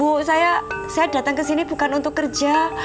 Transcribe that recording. bu saya datang ke sini bukan untuk kerja